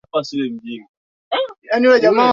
Tuko na mashindano.